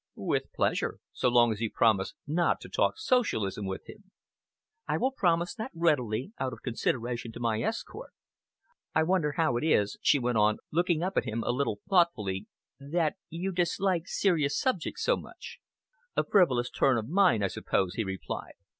"With pleasure, so long as you promise not to talk socialism with him." "I will promise that readily, out of consideration to my escort. I wonder how it is," she went on, looking up at him a little thoughtfully, "that you dislike serious subjects so much." "A frivolous turn of mind, I suppose," he replied.